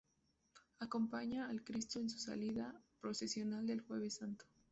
Acompaña al Cristo en su salida procesional del Jueves Santo.